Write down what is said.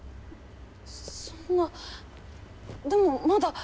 そんなでもまだ。